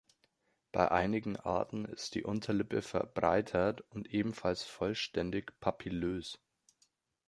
Bei einigen Arten ist die Unterlippe verbreitert und ebenfalls vollständig papillös.